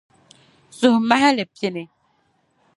Suhumahili pini.